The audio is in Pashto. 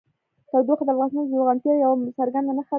تودوخه د افغانستان د زرغونتیا یوه څرګنده نښه ده.